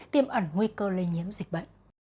tiêm ẩn nguy cơ lây nhiễm dịch bệnh